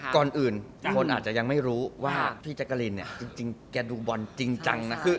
ก่อนอื่นคนอาจจะไม่รู้ว่าพี่แจ็กกะลินนะพี่ดูบอลจริงจังนะ